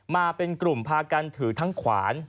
มาเป็นกลุ่มพากันถือทั้งขวาน